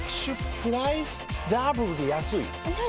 プライスダブルで安いＮｏ！